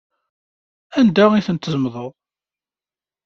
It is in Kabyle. Anda i ten-tzemḍeḍ?